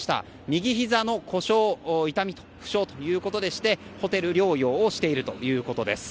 右ひざの故障ということでしてホテル療養をしているということです。